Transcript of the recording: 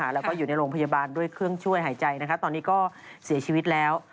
แล้วก็อยู่ในโรงพยาบาลด้วยเครื่องช่วยหายใจตอนนี้ก็เสียชีวิตแล้ว